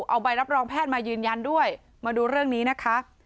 เอาใบรับรองแพทย์มายืนยันด้วยมาดูเรื่องนี้นะคะ